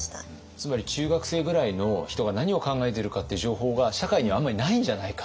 つまり中学生ぐらいの人が何を考えてるかっていう情報が社会にあんまりないんじゃないか？